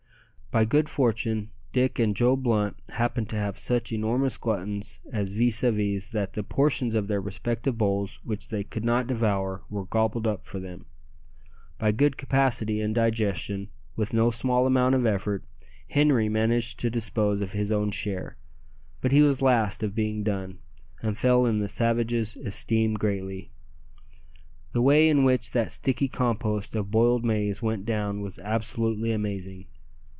By good fortune Dick and Joe Blunt happened to have such enormous gluttons as vis à vis that the portions of their respective bowls which they could not devour were gobbled up for them. By good capacity and digestion, with no small amount of effort, Henri managed to dispose of his own share; but he was last of being done, and fell in the savages' esteem greatly. The way in which that sticky compost of boiled maize went down was absolutely amazing.